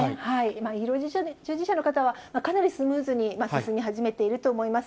医療従事者の方は、かなりスムーズに進み始めていると思います。